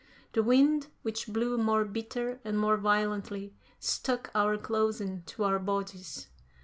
The wind, which blew more bitter and more violently, stuck our clothing to our bodies.